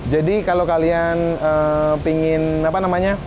jadi kalau kalian pingin apa namanya